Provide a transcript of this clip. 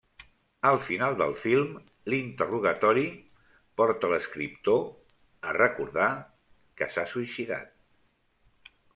Al final del film, l'interrogatori porta l'escriptor a recordar que s'ha suïcidat.